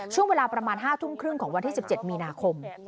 ช่วงเวลาประมาณ๕ทุ่มครึ่งของวันที่๑๗มีนาคม